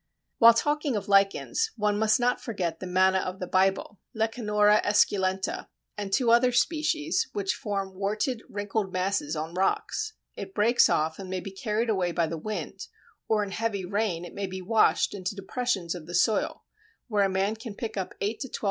While talking of lichens, one must not forget the Manna of the Bible (Lecanora esculenta) and two other species, which form warted, wrinkled masses on rocks. It breaks off and may be carried away by the wind, or in heavy rain it may be washed into depressions of the soil, where a man can pick up 8 to 12 lb.